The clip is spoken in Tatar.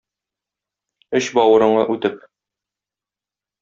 Эч-бавырыңа үтеп.